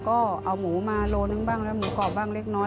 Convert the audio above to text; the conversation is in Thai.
ก็เอาหมูมาโลนึงบ้างแล้วหมูกรอบบ้างเล็กน้อย